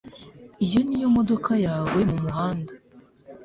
Iyo niyo modoka yawe mumuhanda